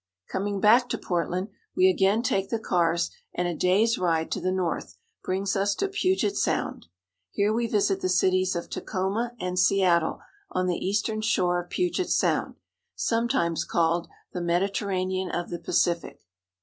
Coming back to Portland, we again take the cars, and a day's ride to the north brings us to Puget Sound. Here we visit the cities of Tacoma and Seattle, on the eastern shore of Puget Sound, sometimes called the '* Mediter ranean of the Pacific."